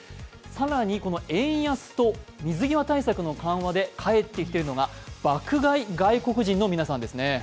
更に、この円安と水際対策の緩和で帰ってきているのが爆買い外国人の皆さんですね。